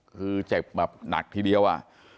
คือเจ็บแบบหนักทีเดียวอ่ะ